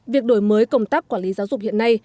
việc đổi mới công tác quản lý giáo dục hiện nay